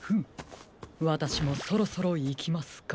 わたしもそろそろいきますか。